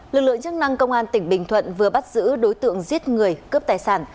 lực lượng chức năng công an tỉnh bình thuận vừa bắt giữ đối tượng giết người cướp tài sản